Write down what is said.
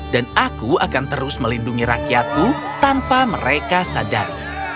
dan aku akan terus melindungi rakyatku tanpa mereka sadar